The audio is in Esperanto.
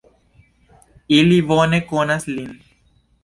Ili bone konas lin.